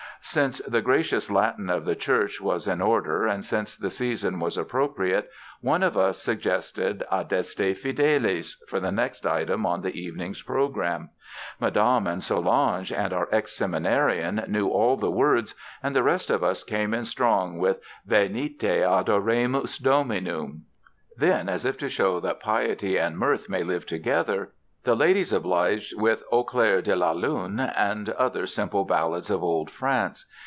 Since the gracious Latin of the Church was in order and since the season was appropriate, one of us suggested "Adeste Fideles" for the next item on the evening's program. Madame and Solange and our ex seminarian knew all the words and the rest of us came in strong with "Venite, adoremus Dominum." Then, as if to show that piety and mirth may live together, the ladies obliged with "Au Clair de la Lune" and other simple ballads of old France.